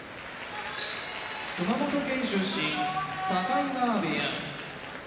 熊本県出身境川部屋